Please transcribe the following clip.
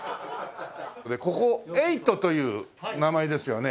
ここ８という名前ですよね？